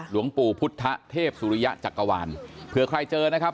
หลวงปู่พุทธเทพสุริยะจักรวาลเผื่อใครเจอนะครับ